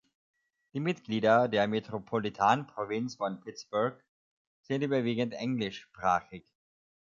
Die Mitglieder der Metropolitanprovinz von Pittsburgh sind überwiegend englischsprachig.